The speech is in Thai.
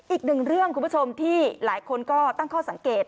อีกหนึ่งเรื่องคุณผู้ชมที่หลายคนก็ตั้งข้อสังเกต